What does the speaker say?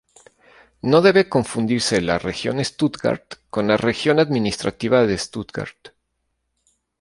No debe confundirse la Region Stuttgart con la Región Administrativa de Stuttgart.